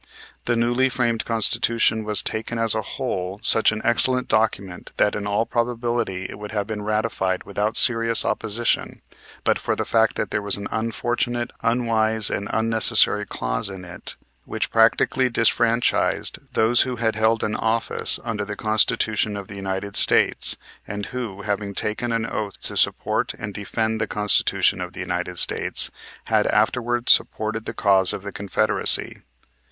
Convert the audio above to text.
The newly framed Constitution was, taken as a whole, such an excellent document that in all probability it would have been ratified without serious opposition but for the fact that there was an unfortunate, unwise and unnecessary clause in it which practically disfranchised those who had held an office under the Constitution of the United States and who, having taken an oath to support and defend the Constitution of the United States, had afterwards supported the cause of the Confederacy.